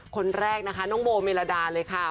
คนแรกนะคะน้องโบเมลดาเลยค่ะ